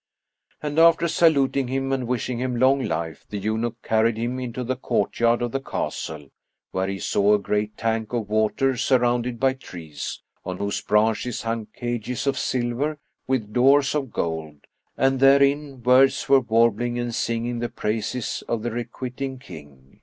"[FN#59] And after saluting him and wishing him long life, the eunuch carried him into the courtyard of the castle, where he saw a great tank of water, surrounded by trees, on whose branches hung cages of silver, with doors of gold, and therein birds were warbling and singing the praises of the Requiting King.